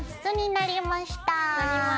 なりました。